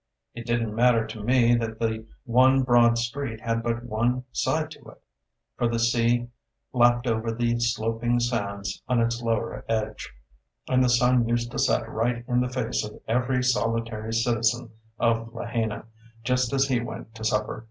It didn't matter to me that the one broad street had but one side to it; for the sea lapped over the sloping sands on its lower edge, and the sun used to set right in the face of every solitary citizen of Lahaina, just as he went to supper.